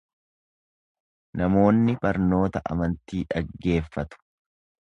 Namoonni barnoota amantii dhaggeeffatu.